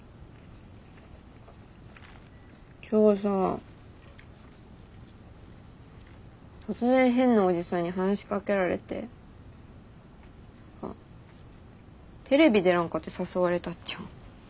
今日さ突然変なおじさんに話しかけられて何かテレビ出らんかって誘われたっちゃ。